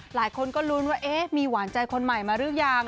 หลายคนก็ลุ้นว่าเอ๊ะมีหวานใจคนใหม่มาหรือยัง